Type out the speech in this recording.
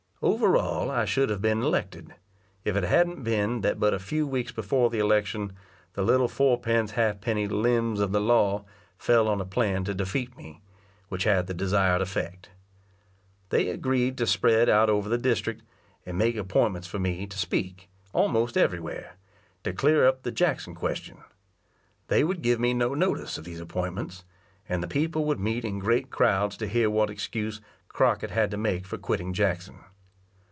Over all I should have been elected, if it hadn't been, that but a few weeks before the election, the little four pence ha'penny limbs of the law fell on a plan to defeat me, which had the desired effect. They agreed to spread out over the district, and make appointments for me to speak, almost everywhere, to clear up the Jackson question. They would give me no notice of these appointments, and the people would meet in great crowds to hear what excuse Crockett had to make for quitting Jackson.